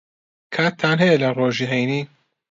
کاتتان ھەیە لە ڕۆژی ھەینی؟